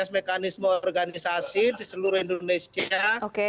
proses mekanisme organisasi di seluruh indonesia